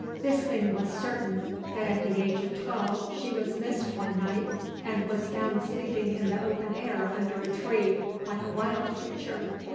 This thing was certain, that at the age of twelve she was missed one night, and was found sleeping in the open air under a tree, like a wild creature.